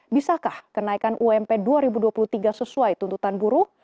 bisakah kenaikan ump dua ribu dua puluh tiga sesuai tuntutan buruh